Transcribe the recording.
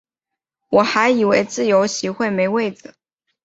我还以为自由席会没位子